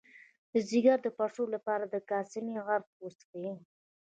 د ځیګر د پړسوب لپاره د کاسني عرق وڅښئ